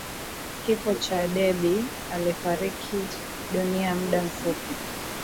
Kifo cha Déby alifariki dunia muda mfupi